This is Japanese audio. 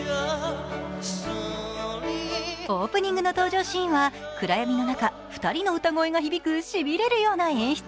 オープニングの登場シーンは、暗闇の中、２人の歌声が響く、しびれるような演出。